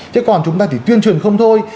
chứ còn chúng ta thì tuyên truyền không thôi